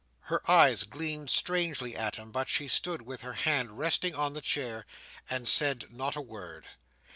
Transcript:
Her eyes gleamed strangely on him, but she stood with her hand resting on the chair, and said not a word.